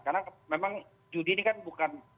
karena memang judi ini kan bukan